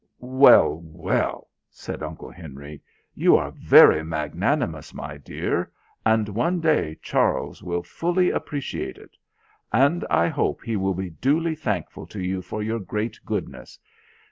"Well! Well!" said Uncle Henry, "you are very magnanimous, my dear, and one day Charles will fully appreciate it. And I hope he will be duly thankful to you for your great goodness.